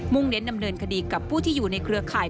เน้นดำเนินคดีกับผู้ที่อยู่ในเครือข่าย